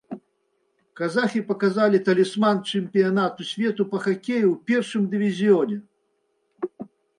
Казахі паказалі талісман чэмпіянату свету па хакеі ў першым дывізіёне.